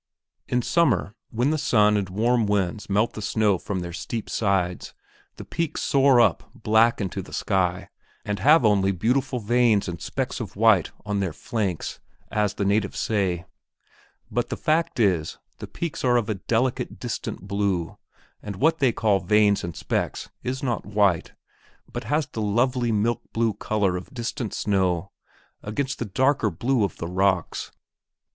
In summer, when the sun and warm winds melt the snow from their steep sides, the peaks soar up black into the sky and have only beautiful veins and specks of white on their flanks as the natives say. But the fact is, the peaks are of a delicate, distant blue, and what they call veins and specks is not white, but has the lovely milk blue color of distant snow against the darker blue of the rocks.